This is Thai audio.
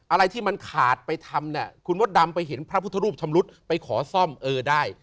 อะไรที่มันขาดไปทำเนี่ยคุณมดดำไปเห็นพระพุทธรูปชำรุดไปขอซ่อมเออได้